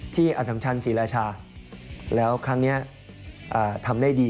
อสัมชันศรีราชาแล้วครั้งนี้ทำได้ดี